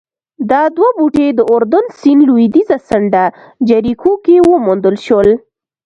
دا دوه بوټي د اردن سیند لوېدیځه څنډه جریکو کې وموندل شول